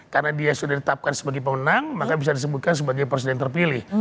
karena dia sudah ditetapkan sebagai pemenang maka bisa disebutkan sebagai presiden terpilih